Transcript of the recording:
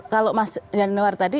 kalau mas januar tadi